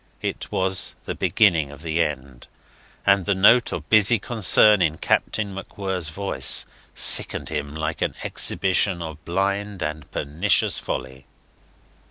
It was the beginning of the end; and the note of busy concern in Captain MacWhirr's voice sickened him like an exhibition of blind and pernicious folly.